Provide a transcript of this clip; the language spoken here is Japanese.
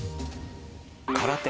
「空手」。